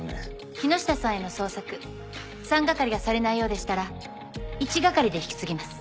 木下さんへの捜索三係がされないようでしたら一係で引き継ぎます。